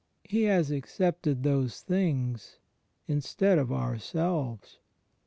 He has accepted those things instead of ourselves.